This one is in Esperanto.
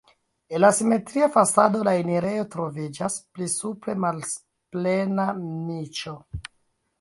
En la simetria fasado la enirejo troviĝas, pli supre malplena niĉo.